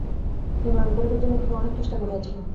নিবারণ করিবার জন্য তিনি অনেক চেষ্টা করিয়াছিলেন।